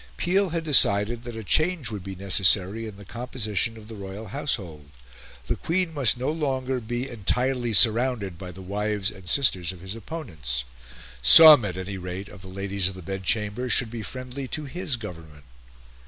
Peel had decided that a change would be necessary in the composition of the royal Household: the Queen must no longer be entirely surrounded by the wives and sisters of his opponents; some, at any rate, of the Ladies of the Bedchamber should be friendly to his Government.